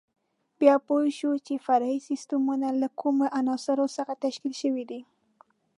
بیا پوه شو چې فرعي سیسټمونه له کومو عناصرو څخه تشکیل شوي دي.